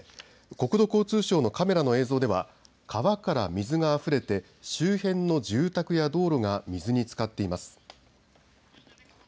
国土交通省のカメラの映像では川から水があふれて周辺の住宅や道路が水につかっています。